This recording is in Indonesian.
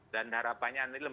dan kita harus mengangkat kepres